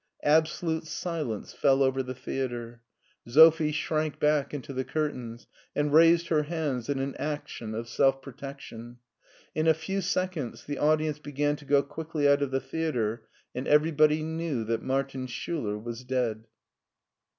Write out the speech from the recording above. Absolute silence fell over the theater. Sophie shrank back into the curtains and raised her hands in an action of self protection. In a few seconds the audi ence began to go quickly out of the theater and every body knew that Martin Schiiler was dead.